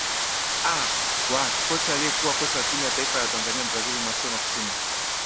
aa wa kocha aliyekuwa kocha wa timu ya taifa ya tanzania mbrazil masio maximo